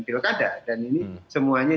pilkada dan ini semuanya